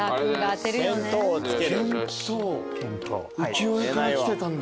浮世絵からきてたんだ。